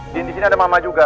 di sini ada mama juga